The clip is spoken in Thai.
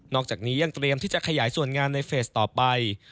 อกจากนี้ยังเตรียมที่จะขยายส่วนงานในเฟสต่อไป